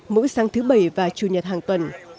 mỗi sáng thứ bảy và chủ nhật hàng tuần